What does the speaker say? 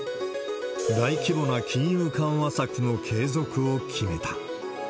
大規模な金融緩和策の継続を決めた。